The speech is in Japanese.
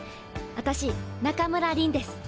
私中村凛です。